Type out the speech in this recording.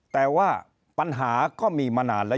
แต่ว่าปัญหาก็มีมานานแล้ว